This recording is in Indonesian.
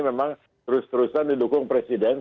memang terus terusan didukung presiden